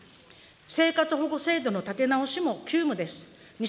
生活保護制度の立て直しも急務です。